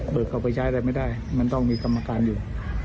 เบิกเขาไปใช้ได้ไม่ได้มันต้องมีกรรมการอยู่